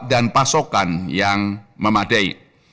dan pasokan yang memadai